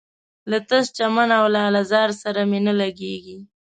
له تش چمن او لاله زار سره مي نه لګیږي